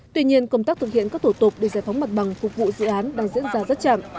tuy nhiên công tác thực hiện các thủ tục để giải phóng mặt bằng phục vụ dự án đang diễn ra rất chậm